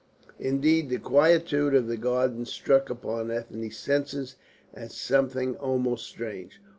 Indeed the quietude of the garden struck upon Ethne's senses as something almost strange.